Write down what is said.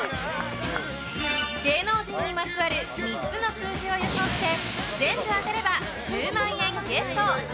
芸能人にまつわる３つの数字を予想して全部当てれば１０万円ゲット。